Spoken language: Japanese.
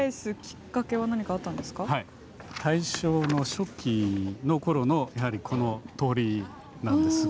大正の初期の頃のやはりこの通りなんですが。